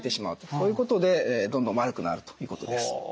そういうことでどんどん悪くなるということです。